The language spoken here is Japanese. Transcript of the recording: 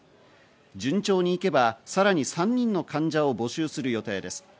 順調にいけばさらに３人の患者を募集する予定です。